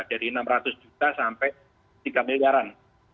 dari enam ratus juta sampai tiga miliaran